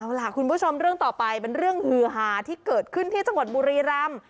เอาล่ะคุณผู้ชมเรื่องต่อไปเป็นเรื่องฮือหาที่เกิดขึ้นที่จังหวัดบุรีรำ